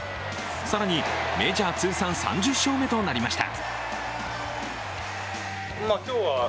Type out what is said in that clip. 更に、メジャー通算３０勝目となりました。